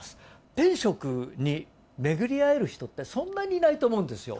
天職に巡り会える人って、そんなにいないと思うんですよ。